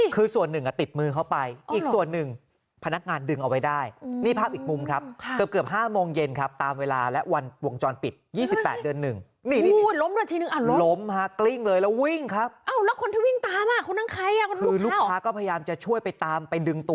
คือส่วนหนึ่งอ่ะติดมือเข้าไปอีกส่วนหนึ่งพนักงานดึงเอาไว้ได้นี่ภาพอีกมุมครับค่ะเกือบเกือบห้าโมงเย็นครับตามเวลาและวันวงจรปิดยี่สิบแปดเดือนหนึ่งนี่นี่นี่ล้มด้วยทีหนึ่งอ่ะล้มฮะกลิ้งเลยแล้ววิ่งครับอ้าวแล้วคนที่วิ่งตามอ่ะคนนั้นใครอ่ะคนนั้นลูกค้าก็พยายามจะช่วยไปตามไปดึ